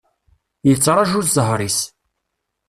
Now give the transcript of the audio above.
Yettraju zzher-is.